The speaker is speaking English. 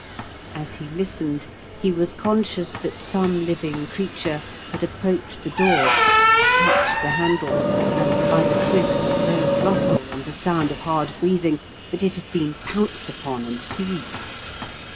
As he listened he was conscious that some living creature had approached the door, touched the handle, and by the swift, low rustle and the sound of hard breathing, that it had been pounced upon and seized.